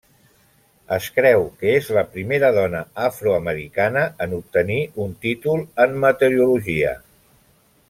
Es creu que és la primera dona afroamericana en obtenir un títol en meteorologia.